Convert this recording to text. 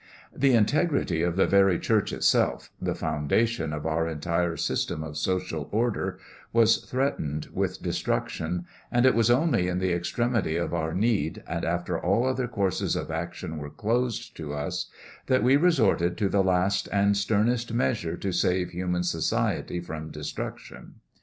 The integrity of the very Church itself the foundation of our entire system of social order was threatened with destruction, and it was only in the extremity of our need and after all other courses of action were closed to us that we resorted to the last and sternest measure to save human society from destruction.